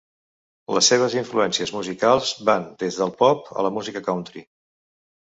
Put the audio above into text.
Les seves influències musicals van des del pop a la música country.